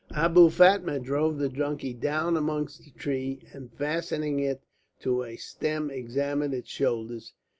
Abou Fatma drove the donkey down amongst the trees, and fastening it to a stem examined its shoulders.